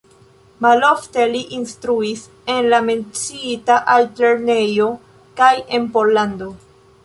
Malofte li instruis en la menciita altlernejo kaj en Pollando.